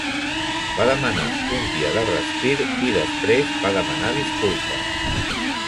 Va demanar un dia de respir, i després va demanar disculpes.